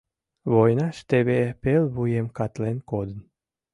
Войнаш теве пел вуем катлен кодын.